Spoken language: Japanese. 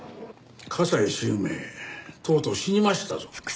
加西周明とうとう死にましたぞ。